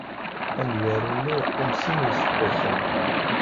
Amgaru-nni yeqqim sin n yiseggasen.